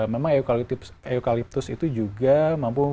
memang eukaliptus itu juga mampu